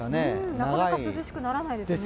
なかなか涼しくならないですね。